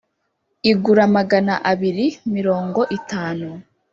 igura magana abiri mirongo itanu.